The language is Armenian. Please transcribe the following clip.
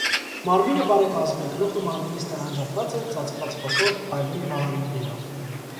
Մարմինը բարեկազմ է, գլուխը մարմնից տարանջատված է՝ ծածկված խոշոր, փայլուն վահանիկներով։